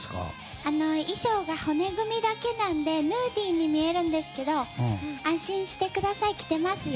衣装が骨組みだけなのでヌーディーに見えるんですけど安心してください。着てますよ！